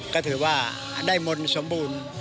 ก็ถือว่าได้มนต์สมบูรณ์